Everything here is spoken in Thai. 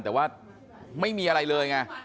แต่ว่าไม่มีอะไรเลยไง